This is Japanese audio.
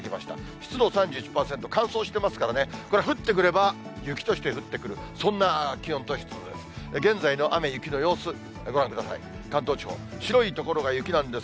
湿度３１％、乾燥してますからね、これ、降ってくれば雪として降ってくる、そんな気温と湿度です。